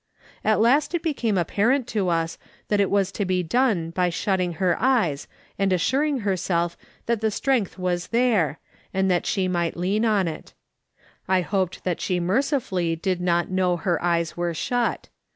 At last it became apparent to ^^s that it was to be done by shutting her eyes and assuring herself that the strength was there, and that she might lean on it. I hoped that she mercifully did now know her eyes were shut.